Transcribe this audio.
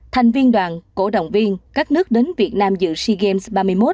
thành viên đoàn cổ động viên các nước đến việt nam dự sea games ba mươi một